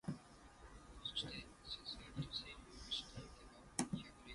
Moore worked as the chief financial officer of First Interstate Bank.